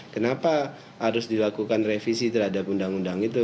kenapa harus dilakukan revisi terhadap undang undang itu